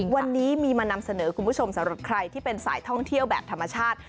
วันนี้มีมานำเสนอคุณผู้ชมสำหรับใครที่เป็นสายท่องเที่ยวแบบธรรมชาติ